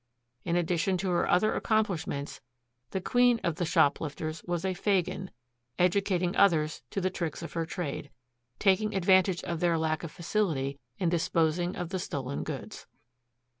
In addition to her other accomplishments, the queen of the shoplifters was a "Fagin," educating others to the tricks of her trade, taking advantage of their lack of facility in disposing of the stolen goods.